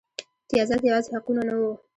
امتیازات یوازې حقونه نه وو.